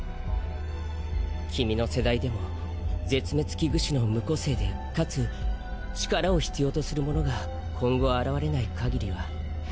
君の世代でも絶滅危惧種の無個性で且つ力を必要とする者が今後現れない限りは。